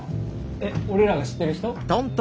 えっ俺らが知ってる人？